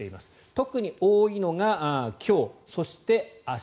特に多いのが今日、そして明日